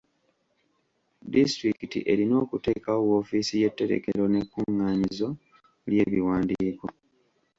Disitulikiti erina okuteekawo woofiisi y'etterekero n'ekkunganyizo ly'ebiwandiiko.